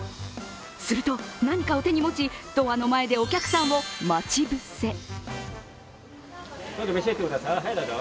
すると、何かを手に持ちドアの前でお客さんを待ち伏せ。